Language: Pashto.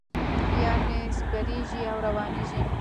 یار مې سپریږي او روانېږي.